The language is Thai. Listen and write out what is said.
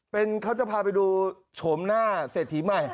เป็นเขาจะพาไปดูโฉมหน้าเศรษฐีใหม่